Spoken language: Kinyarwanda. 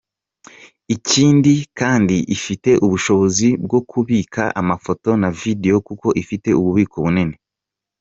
Ikindi kandi ifite ubushobozi bwo kubika amafoto na video kuko ifite ububiko bunini.”